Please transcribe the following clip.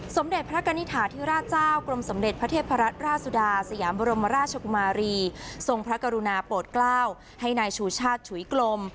สมเด็จพระกณิฐาธิราชเจ้ากรมสมเด็จพระเทพรัตนราชสุดาสยามบรมราชกุมารีทรงพระกรุณาโปรดกล้าวให้นายชูชาติฉุยกลม